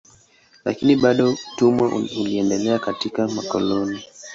Lakini bado utumwa uliendelea katika makoloni.